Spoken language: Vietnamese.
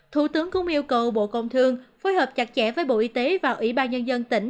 thủ tướng cũng yêu cầu bộ công thương phối hợp chặt chẽ với bộ y tế và ủy ban nhân dân tỉnh